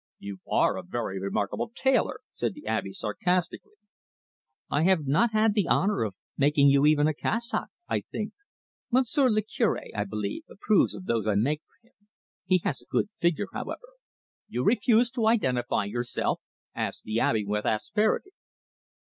"You are a very remarkable tailor," said the Abbe sarcastically. "I have not had the honour of making you even a cassock, I think. Monsieur le Cure, I believe, approves of those I make for him. He has a good figure, however." "You refuse to identify yourself?" asked the Abbe, with asperity.